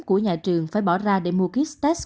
của nhà trường phải bỏ ra để mua kiếp test